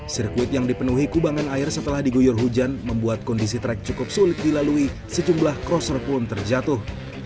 sirkuit yang dipenuhi kubangan air setelah diguyur hujan membuat kondisi trek cukup sulit dilalui sejumlah crosser pun terjatuh